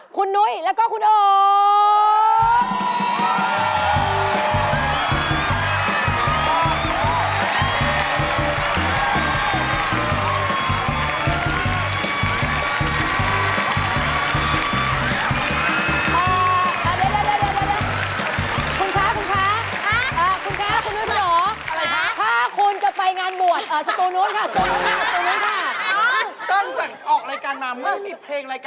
คุณนุ้ยและก็คุณโอ๊ค